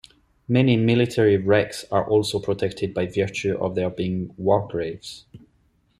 Many military wrecks are also protected by virtue of their being war graves.